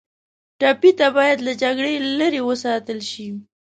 ټپي ته باید له جګړې لرې وساتل شي.